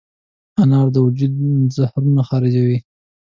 انار د وجود زهرونه خارجوي.